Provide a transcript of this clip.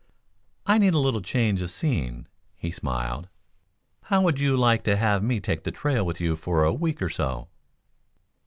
"I need a little change of scene," he smiled. "How would you like to have me take the trail with you for a week or so?"